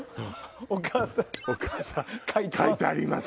お母さん書いてます。